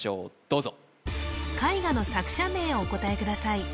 どうぞ絵画の作者名をお答えください